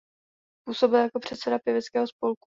Působil jako předseda pěveckého spolku.